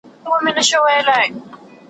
او ښکلا ته دوهمه درجه ارزښت ورکړه سوی دی ,